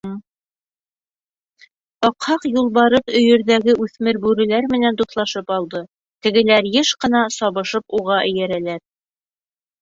Аҡһаҡ юлбарыҫ өйөрҙәге үҫмер бүреләр менән дуҫлашып алды, тегеләр йыш ҡына сабышып уға эйәрәләр.